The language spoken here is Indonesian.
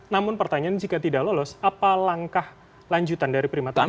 namun pertanyaannya jika tidak lolos apa langkah lanjutan dari prima terakhir